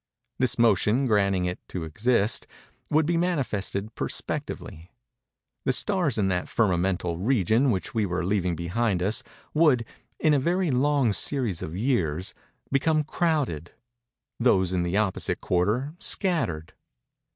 This motion, granting it to exist, would be manifested perspectively. The stars in that firmamental region which we were leaving behind us, would, in a very long series of years, become crowded; those in the opposite quarter, scattered.